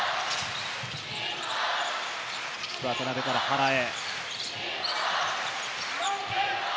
渡邊から原へ。